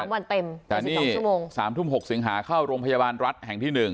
วันเต็มแต่นี่๒ชั่วโมง๓ทุ่ม๖สิงหาเข้าโรงพยาบาลรัฐแห่งที่๑